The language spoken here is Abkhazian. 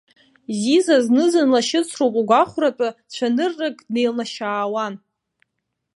Зиза зны-зынла шьыцроуп угәахәратәы цәаныррак днеилнашьаауан.